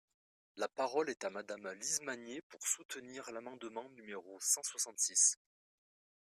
La parole est à Madame Lise Magnier, pour soutenir l’amendement numéro cent soixante-six.